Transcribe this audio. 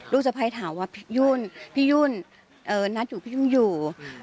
สะพ้ายถามว่าพี่ยุ่นพี่ยุ่นนัดอยู่พี่ยุ่งอยู่